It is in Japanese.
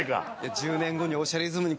１０年後に『おしゃれイズム』に。